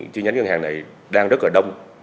chi nhánh ngân hàng này đang rất là đông